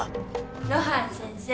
露伴先生。